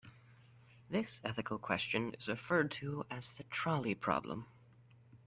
This ethical question is referred to as the trolley problem.